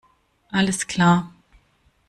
Alles klar!